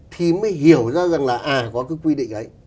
thì mới hiểu ra rằng là à có cái quy định ấy